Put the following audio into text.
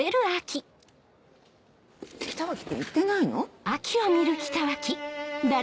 北脇君言ってないの？